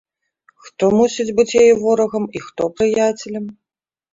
Хто мусіць быць яе ворагам і хто прыяцелем?